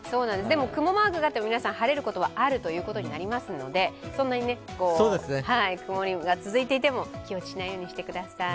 でも雲マークがあっても皆さん、晴れることもあるということになるのでそんなに曇りが続いていても気落ちしないようにしてください。